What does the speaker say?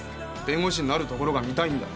弁護士になるところが見たいんだ。